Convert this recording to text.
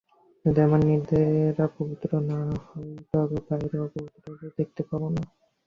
যদি আমরা নিজেরা পবিত্র হই, তবে বাইরে অপবিত্রতা দেখতে পাব না।